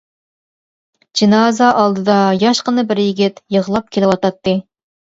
جىنازا ئالدىدا ياشقىنا بىر يىگىت يىغلاپ كېلىۋاتاتتى.